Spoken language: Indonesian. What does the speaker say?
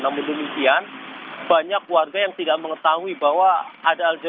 namun demikian banyak warga yang tidak mengetahui bahwa ada